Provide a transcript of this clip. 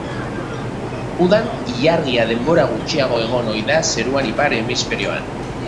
Udan, ilargia denbora gutxiago egon ohi da zeruan ipar hemisferioan.